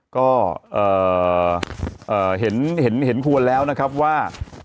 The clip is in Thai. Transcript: ก็เห็นควรแล้วนะครับว่า